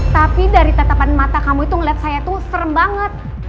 tapi dari tetapan mata kamu itu ngeliat saya tuh serem banget